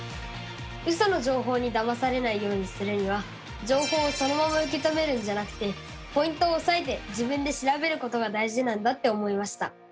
ウソの情報にだまされないようにするには情報をそのまま受け止めるんじゃなくてポイントをおさえて自分で調べることが大事なんだって思いました！